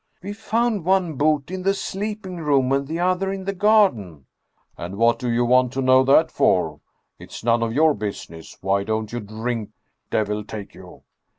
" We found one boot in the sleeping room and the other in the garden." " And what do you want to know that for ? It's none of your business! Why don't you drink, devil take you?